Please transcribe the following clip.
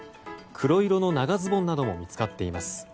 黒色の長ズボンなども見つかっています。